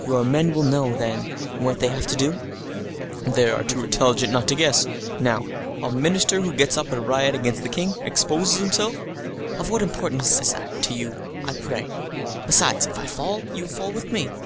"Your men will know, then, what they have to do?" "They are too intelligent not to guess it. Now, a minister who gets up a riot against his king—exposes himself—" "Of what importance is that to you, I pray? Besides, if I fall, you fall with me."